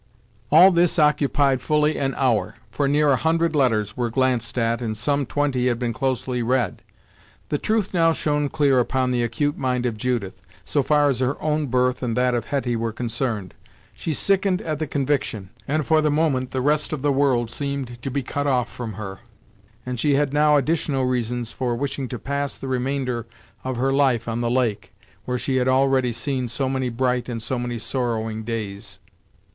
All this occupied fully an hour, for near a hundred letters were glanced at, and some twenty had been closely read. The truth now shone clear upon the acute mind of Judith, so far as her own birth and that of Hetty were concerned. She sickened at the conviction, and for the moment the rest of the world seemed to be cut off from her, and she had now additional reasons for wishing to pass the remainder of her life on the lake, where she had already seen so many bright and so many sorrowing days.